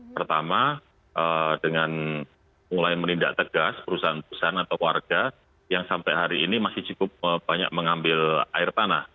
pertama dengan mulai menindak tegas perusahaan perusahaan atau warga yang sampai hari ini masih cukup banyak mengambil air tanah